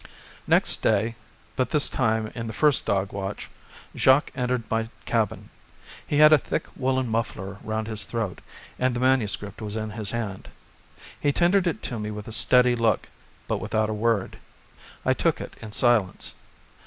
Next day, but this time in the first dog watch, Jacques entered my cabin. He had a thick, woollen muffler round his throat and the MS. was in his hand. He tendered it to me with a steady look but without a word. I took it in silence.